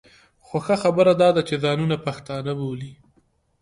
خو ښه خبره دا ده چې ځانونه پښتانه بولي.